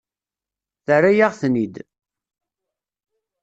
Terra-yaɣ-ten-id.